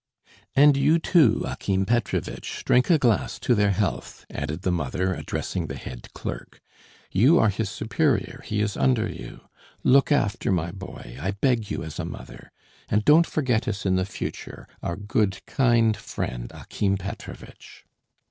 "And you too, Akim Petrovitch, drink a glass to their health," added the mother, addressing the head clerk. "You are his superior, he is under you. Look after my boy, I beg you as a mother. And don't forget us in the future, our good, kind friend, Akim Petrovitch."